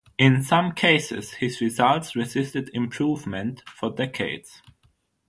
In some cases his results resisted improvement for decades.